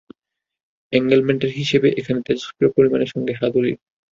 এন্ট্যাঙ্গলমেন্টের হিসাবটা এখানে তেজস্ক্রিয় পরমাণুর সঙ্গে হাতুড়ির।